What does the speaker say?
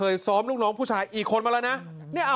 แล้วคนละกูให้รู้บอกว่าเนี่ยเขาบอกว่าเดี๋ยวว่าให้กะหนุกว่า